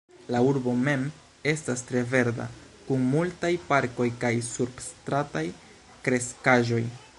La urbo mem estas tre verda, kun multaj parkoj kaj surstrataj kreskaĵoj.